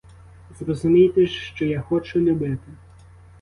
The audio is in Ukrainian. Зрозумійте ж, що я хочу любити.